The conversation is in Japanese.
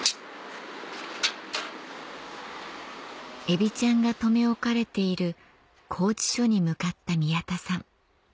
エビちゃんが留め置かれている拘置所に向かった宮田さん